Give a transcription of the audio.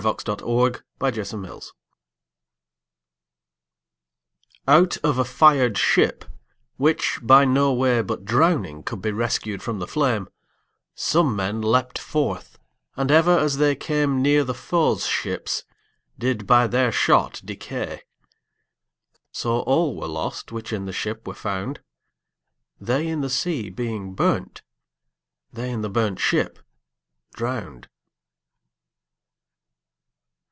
202919A Burnt ShipJohn Donne Out of a fired ship, which, by no way But drowning, could be rescued from the flame, Some men leap'd forth, and ever as they came Neere the foes ships, did by their shot decay; So all were lost, which in the ship were found, They in the sea being burnt, they in the burnt ship drown'd.